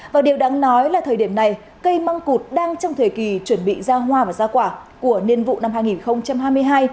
và điều đáng nói là thời điểm này cây măng cụt đang trong thời kỳ chuẩn bị ra hoa và ra quả của niên vụ năm hai nghìn hai mươi hai